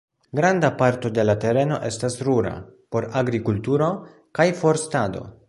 Granda parto de la tereno estas rura, por agrikulturo kaj forstado.